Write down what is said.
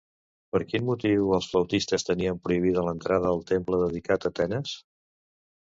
Per quin motiu els flautistes tenien prohibida l'entrada al temple dedicat a Tenes?